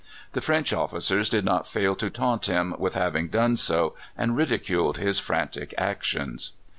The French officers did not fail to taunt him with having done so, and ridiculed his frantic actions.